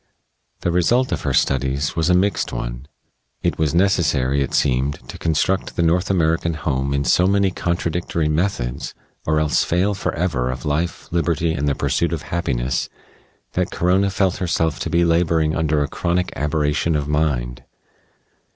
The result of her studies was a mixed one. It was necessary, it seemed, to construct the North American home in so many contradictory methods, or else fail forever of life, liberty, and the pursuit of happiness, that Corona felt herself to be laboring under a chronic aberration of mind....